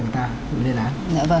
của ta được liên án